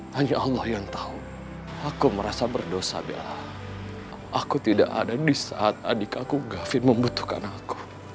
hanya allah yang tahu aku merasa berdosa aku tidak ada di saat adik aku gavin membutuhkan aku